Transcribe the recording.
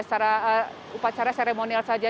secara upacara seremonial saja